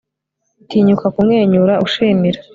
tinyuka kumwenyura ushimira